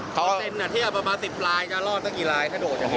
เขาเซ็นเทียบประมาณ๑๐ลายจะรอดตั้งกี่ลายถ้าโดดอย่างนี้